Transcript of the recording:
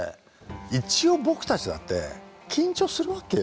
一応僕たちだって緊張するわけよ。